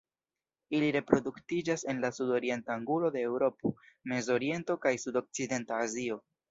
Ili reproduktiĝas en la sudorienta angulo de Eŭropo, Mezoriento kaj sudokcidenta Azio.